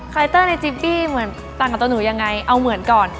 คาแรคเตอร์ในจิปปี้ต่างกับตัวหนูยังไงเอาเหมือนก่อน